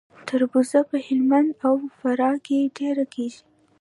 تربوز په هلمند او فراه کې ډیر کیږي.